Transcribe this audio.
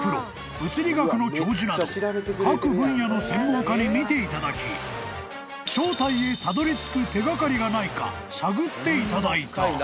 物理学の教授など各分野の専門家に見ていただき正体へたどりつく手掛かりがないか探っていただいた］